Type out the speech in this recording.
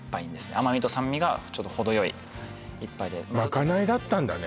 甘みと酸味がほどよい一杯でまかないだったんだね